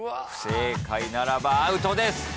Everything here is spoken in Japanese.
不正解ならばアウトです。